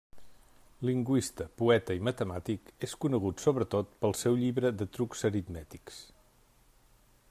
Lingüista, poeta i matemàtic, és conegut, sobretot, pel seu llibre de trucs aritmètics.